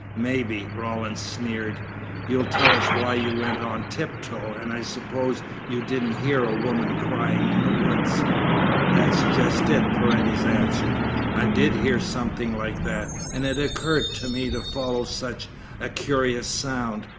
"Maybe," Rawlins sneered, "you'll tell us why you went on tiptoe, and I suppose you didn't hear a woman crying in the woods?" "That's just it," Paredes answered. "I did hear something like that, and it occurred to me to follow such a curious sound.